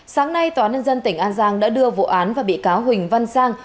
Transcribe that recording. sáng nay tòa nhân dân tỉnh an giang đã đưa vụ án và bị cáo huỳnh văn sang